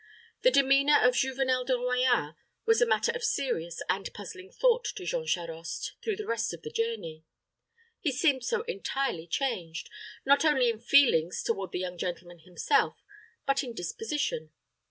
The demeanor of Juvenel de Royans was a matter of serious and puzzling thought to Jean Charost through the rest of the journey. He seemed so entirely changed, not only in feelings toward the young gentleman himself, but in disposition.